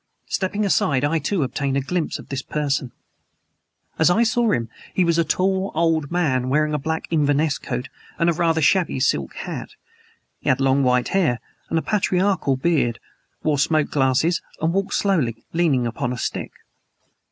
Stepping aside, I, too, obtained a glimpse of this person. As I saw him, he was a tall, old man, wearing a black Inverness coat and a rather shabby silk hat. He had long white hair and a patriarchal beard, wore smoked glasses and walked slowly, leaning upon a stick.